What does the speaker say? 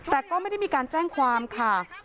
แต่ก็ไม่ได้มีการแจ้งความค่ะ